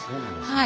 はい。